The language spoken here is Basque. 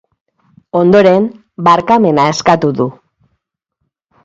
Ondoren, barkamena eskatu du.